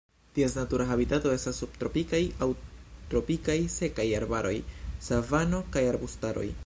Ties natura habitato estas subtropikaj aŭ tropikaj sekaj arbaroj, savano kaj arbustaroj.